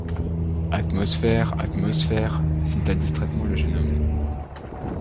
Atmosphère, atmosphère, cita distraitement le jeune homme